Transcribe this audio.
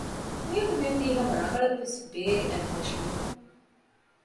މިއަދު މިއޮތީ ހަމަ ރަނގަޅަށް ވެސް ބޭރި އަތްދަށުވެފަ